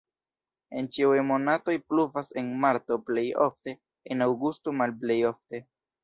En ĉiuj monatoj pluvas, en marto plej ofte, en aŭgusto malplej ofte.